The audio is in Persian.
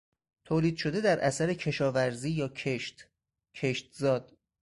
تولید شده در اثر کشاورزی یا کشت، کشتزاد